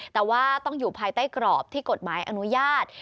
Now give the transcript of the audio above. แต่ว่าต้องอยู่ภายใต้กรอบที่กฎหมายอนุญาต